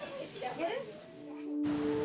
やる？